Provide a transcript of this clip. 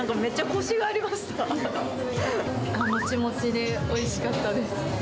ああ、もちもちでおいしかったです。